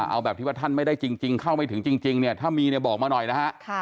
เอาแบบที่ว่าท่านไม่ได้จริงเข้าไม่ถึงจริงเนี่ยถ้ามีเนี่ยบอกมาหน่อยนะฮะ